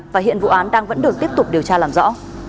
và hiện vụ án đang vẫn được tiếp tục điều tra làm rõ